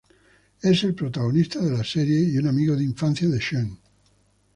Es el protagonista de la serie y un amigo de infancia de Sen.